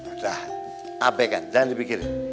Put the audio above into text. udah abekan jangan dipikirin